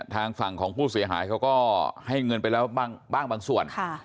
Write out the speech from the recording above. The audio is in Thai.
ทางฝั่งของผู้เสียหายเขาก็ให้เงินไปแล้วบ้างบางส่วน